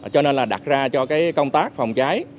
cho nên là đặt ra cho cái công tác phòng cháy